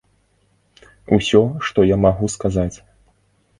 Усё, што я магу сказаць.